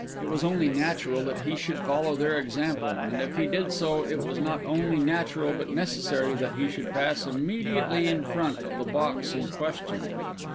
It was only natural that he should follow their example; and if he did so, it was not only natural but necessary that he should pass immediately in front of the box in question.